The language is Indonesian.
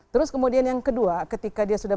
terus kemudian yang kedua ketika dia sudah